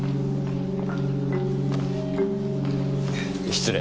失礼。